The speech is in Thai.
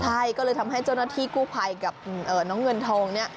ใช่ก็เลยทำให้เจ้าหน้าที่กู้ภัยกับน้องเงินทองเนี่ย